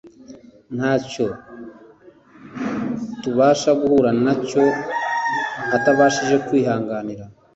. Nta cyo tubasha guhura na cyo atabashije kwihanganira